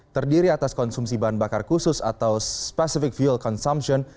terdiri atas konsumsi bahan bakar khusus atau specific fuel consumption